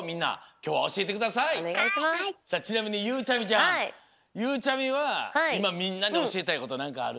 さあちなみにゆうちゃみちゃんゆうちゃみはいまみんなにおしえたいことなんかある？